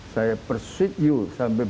saya persuade you sampai